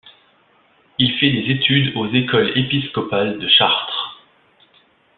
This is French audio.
Il fait des études aux écoles épiscopales de Chartres.